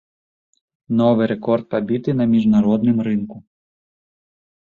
Новы рэкорд пабіты на міжнародным рынку.